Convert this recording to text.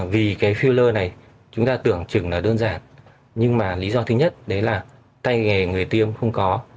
vì cái filler này chúng ta tưởng chừng là đơn giản nhưng mà lý do thứ nhất đấy là tay nghề người tiêm không có